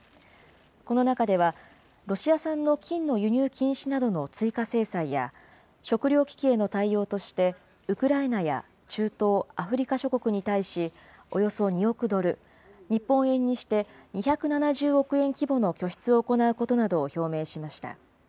この中では、ロシア産の金の輸入禁止などの追加制裁や、食料危機への対応として、ウクライナや中東、アフリカ諸国に対し、およそ２億ドル、日本円にして２７０億円規模の拠出を行うことなどを表明しました。